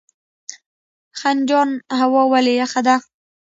خنجان هوا ولې یخه ده؟